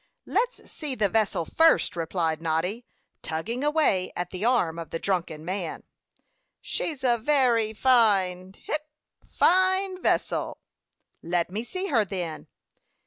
"Let's see the vessel first," replied Noddy, tugging away at the arm of the drunken man. "She's a very fine hic fine vessel." "Let me see her, then."